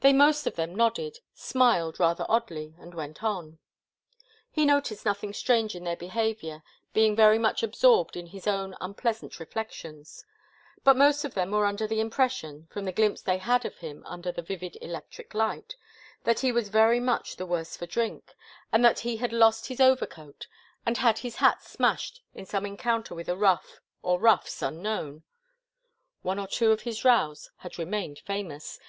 They most of them nodded, smiled rather oddly and went on. He noticed nothing strange in their behaviour, being very much absorbed in his own unpleasant reflections, but most of them were under the impression, from the glimpse they had of him under the vivid electric light, that he was very much the worse for drink, and that he had lost his overcoat and had his hat smashed in some encounter with a rough or roughs unknown. One or two of his rows had remained famous.